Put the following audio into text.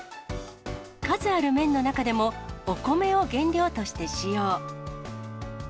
数ある麺の中でも、お米を原料として使用。